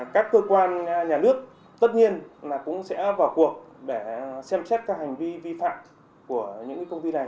các cơ quan nhà nước tất nhiên cũng sẽ vào cuộc để xem xét các hành vi vi phạm